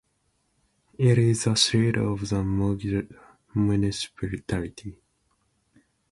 It is a seat of the Mogila municipality.